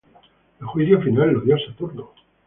El juicio final lo dio Saturno.